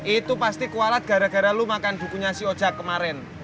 itu pasti kualat gara gara lu makan bukunya si oja kemarin